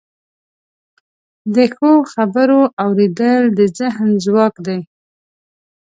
د ښو خبرو اوریدل د ذهن ځواک دی.